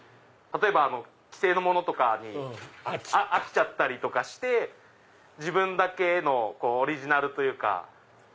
例えば既製のものに飽きちゃったりとかして自分だけのオリジナルというか。